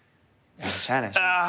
しゃあないああ！